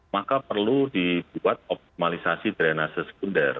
maka perlu dibuat optimalisasi drenase sekunder